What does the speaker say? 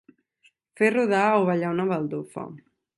Fer rodar o ballar una baldufa.